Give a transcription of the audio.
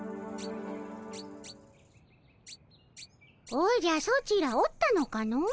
おじゃソチらおったのかの。